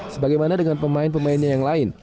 sebagaimana dengan pemain pemainnya yang lain